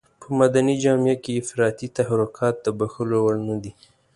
په مدني جامه کې افراطي تحرکات د بښلو وړ نه دي.